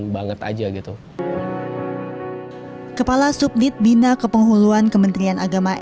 banget aja gitu kepala subdit bina kepenghuluan kementerian agama